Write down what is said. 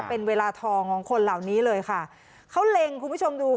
เป็นเวลาทองของคนเหล่านี้เลยค่ะเขาเล็งคุณผู้ชมดู